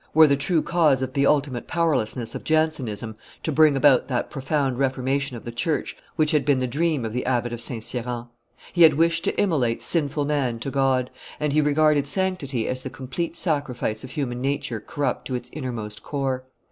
were the true cause of the ultimate powerlessness of Jansenism to bring about that profound reformation of the church which had been the dream of the Abbot of St. Cyran. He had wished to immolate sinful man to God, and he regarded sanctity as the complete sacrifice of human nature corrupt to its innermost core.